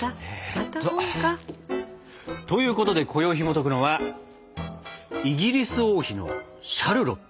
また本か。ということでこよいひもとくのは「イギリス王妃のシャルロット」！